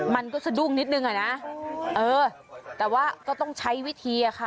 มันก็สะดุ้งนิดนึงอ่ะนะเออแต่ว่าก็ต้องใช้วิธีอะค่ะ